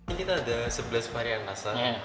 ini kita ada sebelas varian rasa